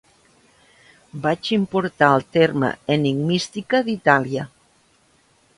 Vaig importar el terme enigmística d'Itàlia.